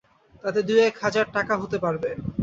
তাতে দু এক হাজার টাকা হতে পারবে।